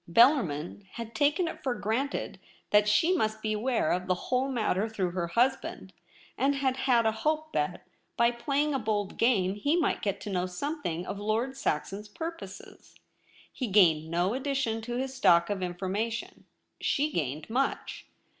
Bellarmin had taken it for granted that she must be aware of the w^hole matter through her husband, and had had a hope that, by playing a bold game, he might get to know something of Lord Saxon's pur poses. He gained no addition to his stock of Information. She gained much.